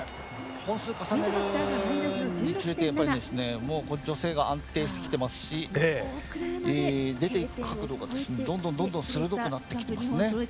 本数、重ねるにつれて助走が安定してきてますし出ていく角度がどんどんどんどん鋭くなってきてますね。